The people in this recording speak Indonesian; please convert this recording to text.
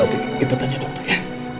ya nanti kita tanya dokter ya